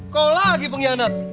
kau lagi pengkhianat